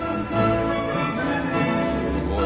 すごい。